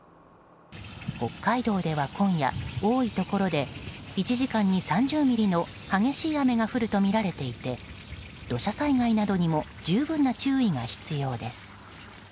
北海道では今夜、多いところで１時間に３０ミリの激しい雨が降るとみられていて土砂災害などにも十分な注意が必要です。